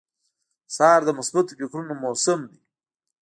سهار د مثبتو فکرونو موسم دی.